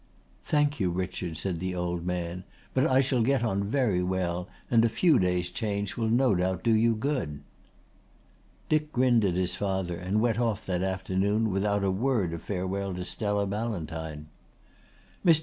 "Thank you, Richard," said the old man. "But I shall get on very well, and a few days change will no doubt do you good." Dick grinned at his father and went off that afternoon without a word of farewell to Stella Ballantyne. Mr.